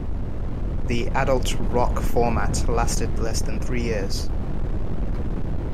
The adult rock format lasted less than three years.